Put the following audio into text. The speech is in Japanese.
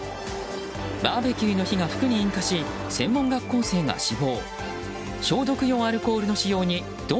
バーベキューの火が服に引火し専門学校生が死亡。